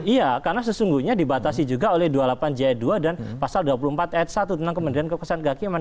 iya karena sesungguhnya dibatasi juga oleh dua puluh delapan j dua dan pasal dua puluh empat ayat satu tentang kementerian kekuasaan kehakiman